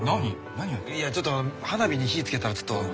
いやちょっと花火に火つけたらちょっと。